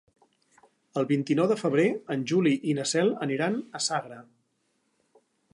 El vint-i-nou de febrer en Juli i na Cel aniran a Sagra.